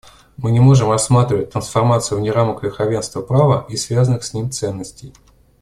Мы не можем рассматривать трансформацию вне рамок верховенства права и связанных с ним ценностей.